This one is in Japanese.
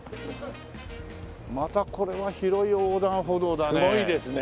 またこれは広い横断歩道だね。